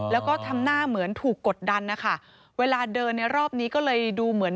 แล้วก็ทำหน้าเหมือนถูกกดดันนะคะเวลาเดินในรอบนี้ก็เลยดูเหมือน